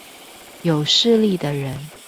有勢力的人